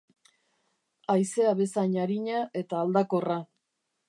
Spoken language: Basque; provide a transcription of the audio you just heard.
Haizea bezain arina eta aldakorra.